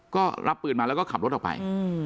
ก็รับปืนมาแล้วก็ขับรถออกไป